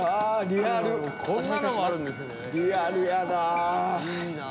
リアルやな。